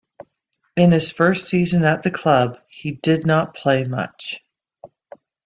In his first season at the club he did not play much.